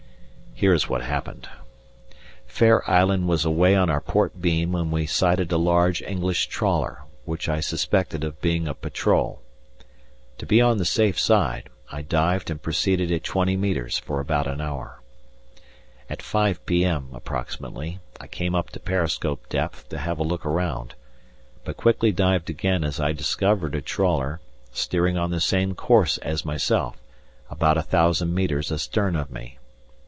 Here is what happened: Fair Island was away on our port beam when we sighted a large English trawler, which I suspected of being a patrol. To be on the safe side, I dived and proceeded at twenty metres for about an hour. At 5 p.m. (approximately) I came up to periscope depth to have a look round, but quickly dived again as I discovered a trawler, steering on the same course as myself, about a thousand metres astern of me.